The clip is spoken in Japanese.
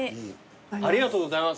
ありがとうございます。